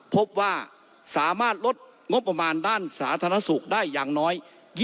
พบว่าสามารถลดงบประมาณด้านสาธารณสุขได้อย่างน้อย